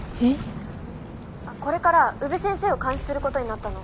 これから宇部先生を監視することになったの。